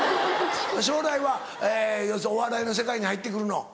将来は要するにお笑いの世界に入って来るの？